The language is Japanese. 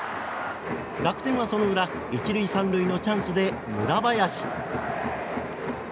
楽天はその裏１塁３塁のチャンスで村林。